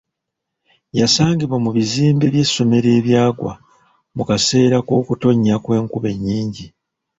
Yasangibwa mu bizimbe by'essomero ebyagwa mu kaseera k'okuktoonya kw'enkuba ennyingi.